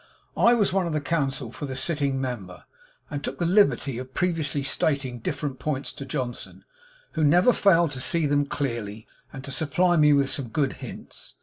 I was one of the Counsel for the sitting member, and took the liberty of previously stating different points to Johnson, who never failed to see them clearly, and to supply me with some good hints.